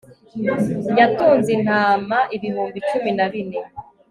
yatunze intama ibihumbi cumi na bine